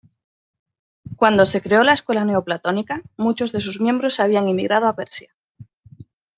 Cuando se creó la escuela neoplatónica, muchos de sus miembros habían emigrado a Persia.